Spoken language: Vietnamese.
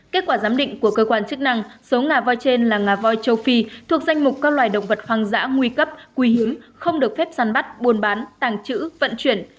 kết quả giám định của cơ quan chức năng số ngà voi trên là ngà voi châu phi thuộc danh mục các loài động vật hoang dã nguy cấp quý hiếm không được phép sản bắt buôn bán tàng trữ vận chuyển